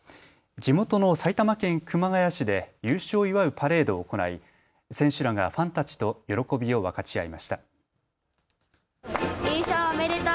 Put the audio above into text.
地元の埼玉県熊谷市で優勝を祝うパレードを行い選手らがファンたちと喜びを分かち合いました。